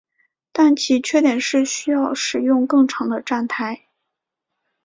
但其缺点是需要使用更长的站台。